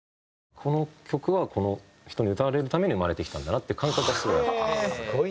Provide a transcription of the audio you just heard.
この曲はこの人に歌われるために生まれてきたんだなっていう感覚はすごい。